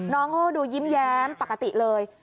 น้องเขาก็ดูยิ้มแย้มปกติเลย